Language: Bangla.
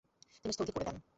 তিনি স্থগিত করে দেন।